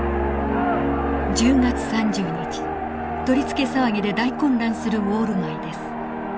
取り付け騒ぎで大混乱するウォール街です。